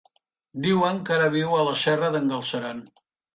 Diuen que ara viu a la Serra d'en Galceran.